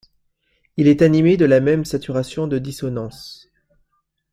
Il est animé de la même saturation de dissonances.